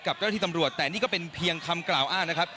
เจ้าหน้าที่ตำรวจแต่นี่ก็เป็นเพียงคำกล่าวอ้างนะครับ